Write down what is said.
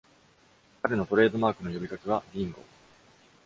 彼のトレードマークの呼びかけはビンゴ！